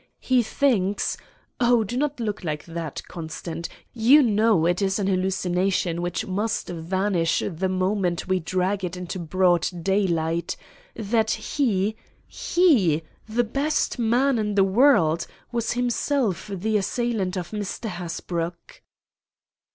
He thinks—oh! do not look like that, Constant; you know it is an hallucination which must vanish the moment we drag it into broad daylight—that he—he, the best man in all the world, was himself the assailant of Mr. Hasbrouck."